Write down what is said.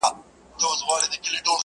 • شګوفې مو لکه اوښکي د خوښیو ,